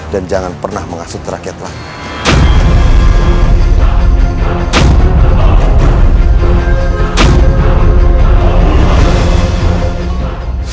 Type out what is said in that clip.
dan jangan pernah mengasuh rakyat lagi